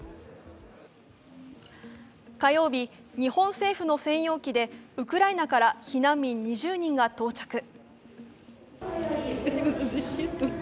火曜日、日本政府の専用機でウクライナから避難民２０人が到着。